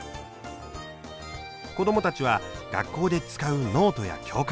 子どもたちは学校で使うノートや教科書。